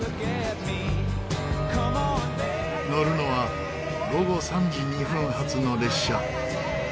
乗るのは午後３時２分発の列車。